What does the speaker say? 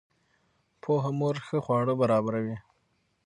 پوهه مور ښه خواړه برابروي.